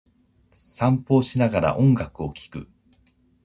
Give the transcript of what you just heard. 散歩をしながら、音楽を聴く。